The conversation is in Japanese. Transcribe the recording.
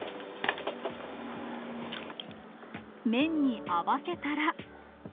麺に合わせたら。